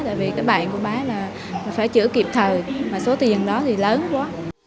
tại vì bạn của bác phải chữa kịp thời mà số tiền đó thì lớn quá